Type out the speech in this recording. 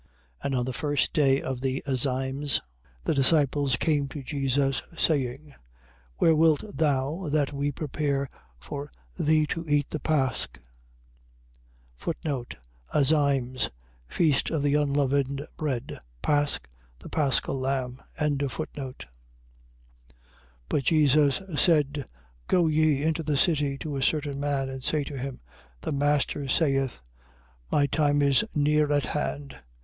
26:17. And on the first day of the Azymes, the disciples came to Jesus, saying: Where wilt thou that we prepare for thee to eat the pasch? Azymes. . .Feast of the unleavened bread. Pasch. . .The paschal lamb. 26:18. But Jesus said: Go ye into the city to a certain man and say to him: The master saith, My time is near at hand.